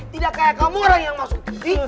tidak kayak kamu orang yang masuk